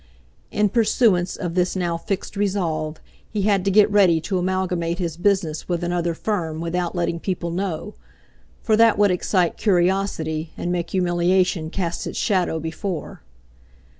In pursuance of this now fixed resolve, he had to get ready to amalgamate his business with another firm without letting people know, for that would excite curiosity and make humiliation cast its shadow before.